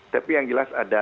tapi yang jelas ada